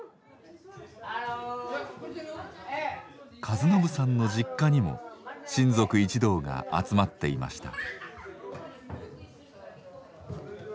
和伸さんの実家にも親族一同が集まっていました。